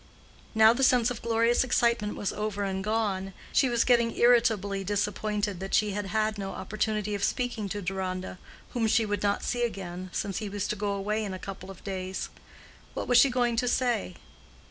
Now the sense of glorious excitement was over and gone, she was getting irritably disappointed that she had had no opportunity of speaking to Deronda, whom she would not see again, since he was to go away in a couple of days. What was she going to say?